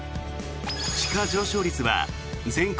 地価上昇率は全国